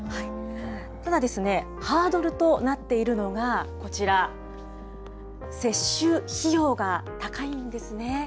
ただですね、ハードルとなっているのがこちら、接種費用が高いんですね。